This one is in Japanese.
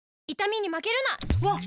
わっ！